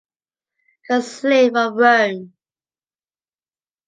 ‘cause slave of Rome.